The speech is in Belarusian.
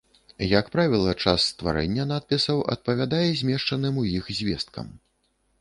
Як правіла, час стварэння надпісаў адпавядае змешчаным ў іх звесткам.